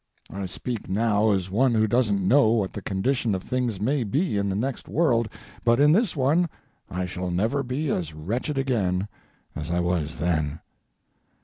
I speak now as one who doesn't know what the condition of things may be in the next world, but in this one I shall never be as wretched again as I was then.